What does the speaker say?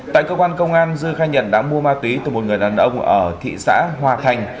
tại cơ quan công an dư khai nhận đã mua ma túy từ một người đàn ông ở thị xã hòa thành